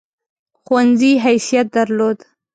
ښوونځي حیثیت درلود.